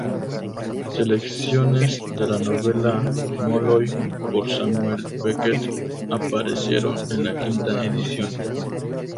Selecciones de la novela "Molloy" por Samuel Beckett, aparecieron en la quinta edición.